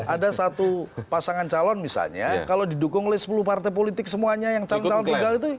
ada satu pasangan calon misalnya kalau didukung oleh sepuluh partai politik semuanya yang calon calon tunggal itu